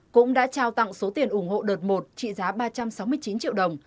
cũng đã trao tặng số tiền ủng hộ đợt một trị giá ba trăm sáu mươi chín triệu đồng